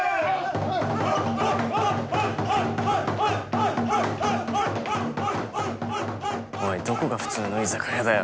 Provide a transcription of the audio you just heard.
はいはいはいおいどこが普通の居酒屋だよ